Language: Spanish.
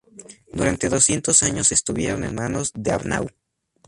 Durante doscientos años estuvieron en manos de Arnau.